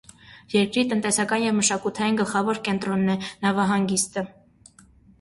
Երկրի տնտեսական և մշակութային գլխավոր կենտրոնն է, նավահանգիստը։